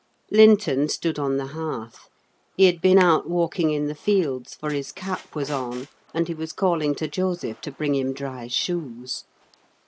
Linton stood on the hearth. He had been out walking in the fields, for his cap was on, and he was calling to Joseph to bring him dry shoes.